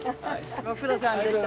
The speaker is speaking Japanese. ご苦労さんでした。